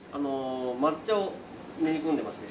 抹茶を練り込んでまして。